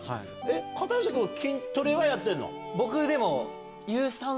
片寄君、筋トレはやってるの？